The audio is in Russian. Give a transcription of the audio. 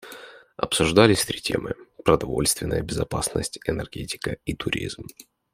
Обсуждались три темы: продовольственная безопасность, энергетика и туризм.